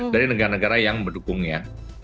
dari negara negara yang mendukungnya